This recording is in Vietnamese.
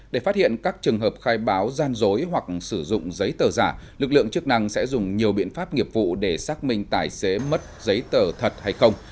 để phát hiện các trường hợp khai báo gian dối hoặc sử dụng giấy tờ giả lực lượng chức năng sẽ dùng nhiều biện pháp nghiệp vụ để xác minh tài xế mất giấy tờ thật hay không